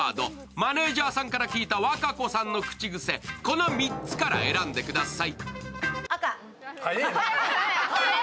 マネージャーさんから聞いた和歌子さんの口癖、この３つから選んでください。